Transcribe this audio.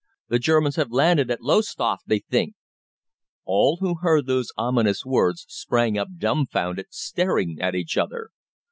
The Germans have landed at Lowestoft, they think." All who heard those ominous words sprang up dumbfounded, staring at each other.